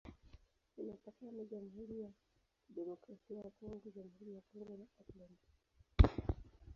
Imepakana na Jamhuri ya Kidemokrasia ya Kongo, Jamhuri ya Kongo na Atlantiki.